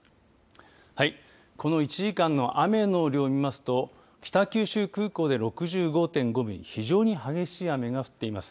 はい、この１時間の雨の量を見ますと北九州空港で６５．５ミリ非常に激しい雨が降っています。